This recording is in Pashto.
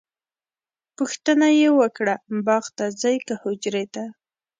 پوښتنه یې وکړه باغ ته ځئ که حجرې ته؟